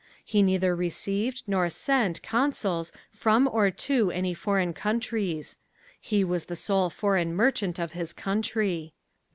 He neither received nor sent consuls from or to any foreign countries. He was the sole foreign merchant of his country.